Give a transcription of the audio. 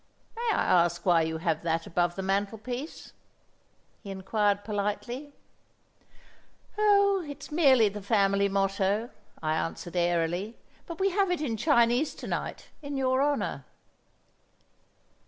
"May I ask why you have that above the mantelpiece?" he inquired politely. "Oh, it's merely the family motto," I answered airily, "but we have it in Chinese to night, in your honour."